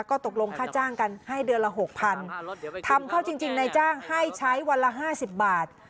ก็ตกลงค่าจ้างกันให้เดือนละหกพันทำเข้าจริงนายจ้างให้ใช้วันละห้าสิบบาท